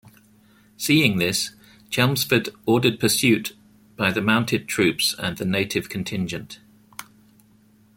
Seeing this, Chelmsford ordered pursuit by the mounted troops and the native contingent.